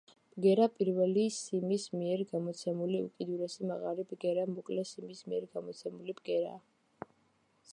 ბგერა პირველი სიმის მიერ გამოცემული უკიდურესი მაღალი ბგერა მოკლე სიმის მიერ გამოცემული ბგერაა.